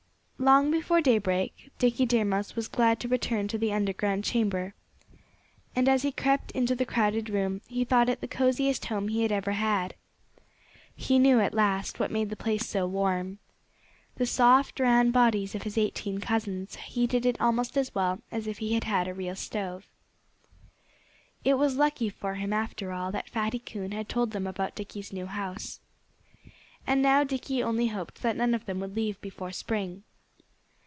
Long before daybreak Dickie Deer Mouse was glad to return to the underground chamber. And as he crept into the crowded room he thought it the coziest home he had ever had. He knew, at last, what made the place so warm. The soft, round bodies of his eighteen cousins heated it almost as well as if he had had a real stove. It was lucky for him, after all, that Fatty Coon had told them about Dickie's new house. And now Dickie only hoped that none of them would leave before spring.